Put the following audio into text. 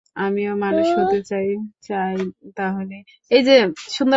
আমিও মানুষ হতে চাই, তাহলেই আমি বড় মানুষদের সাথে জ্যাজবাজাতে পারবো।